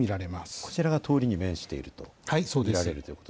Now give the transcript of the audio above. こちらが通りに面していると見られると。